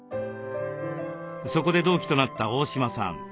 そこで同期となった大島さん